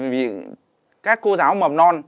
vì các cô giáo mầm non